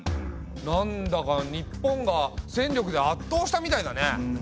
なんだか日本が戦力であっとうしたみたいだね。